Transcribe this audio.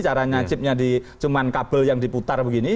caranya chipnya cuma kabel yang diputar begini